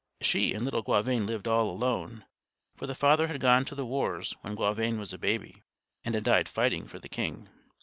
She and little Gauvain lived all alone, for the father had gone to the wars when Gauvain was a baby, and had died fighting for the king.